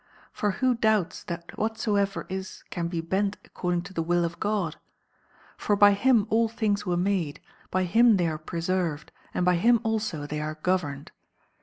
For who doubts that whatsoever is can be bent accordin;^ to the will of God ? For by him all things were made, by him they are preserved, and by him alto they arc governed.